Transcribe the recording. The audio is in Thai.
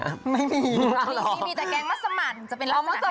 ไม่มีมีแต่แกงมัสมันจะเป็นลักษณะให้ใครดี